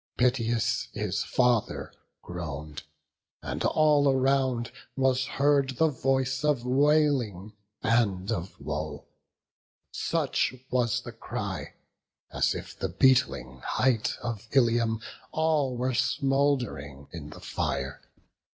Piteous, his father groan'd; and all around Was heard the voice of wailing and of woe. Such was the cry, as if the beetling height Of Ilium all were smould'ring in the fire.